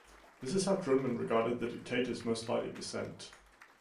This is how Drumann regarded the dictator's most likely descent.